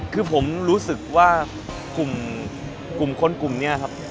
คือผมรู้สึกว่ากลุ่มคนกลุ่มนี้ครับ